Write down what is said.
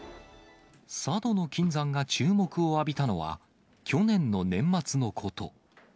佐渡島の金山が注目を浴びたのは、去年の年末のこと。